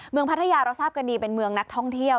พัทยาเราทราบกันดีเป็นเมืองนักท่องเที่ยว